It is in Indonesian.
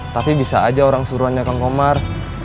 tapi bisa aja orang suruhannya ke komar